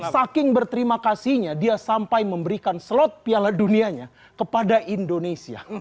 saking berterima kasihnya dia sampai memberikan slot piala dunianya kepada indonesia